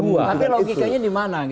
tapi logikanya di mana